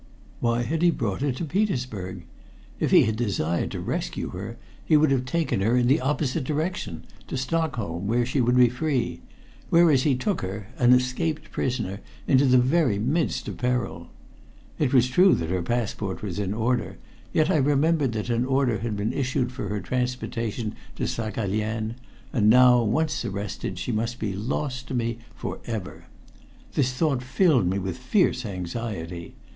Why had he brought her to Petersburg? If he had desired to rescue her he would have taken her in the opposite direction to Stockholm, where she would be free whereas he took her, an escaped prisoner, into the very midst of peril. It was true that her passport was in order, yet I remembered that an order had been issued for her transportation to Saghalien, and now once arrested she must be lost to me for ever. This thought filled me with fierce anxiety.